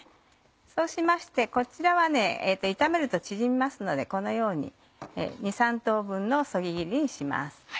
そうしましてこちらは炒めると縮みますのでこのように２３等分のそぎ切りにします。